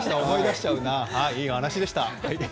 いいお話でした。